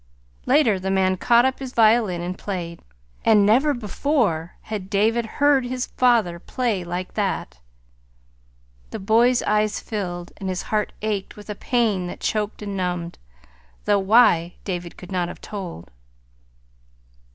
Later, the man caught up his violin and played; and never before had David heard his father play like that. The boy's eyes filled, and his heart ached with a pain that choked and numbed though why, David could not have told.